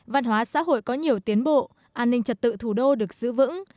văn hóa xã hội có nhiều tiến bộ an ninh trật tự thủ đô được giữ vững